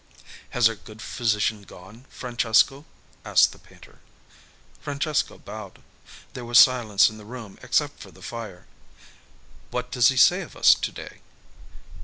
"Has our good physician gone, Francesco?" asked the painter. Francesco bowed. There was silence in the room except for the fire. "What does he say of us to day?"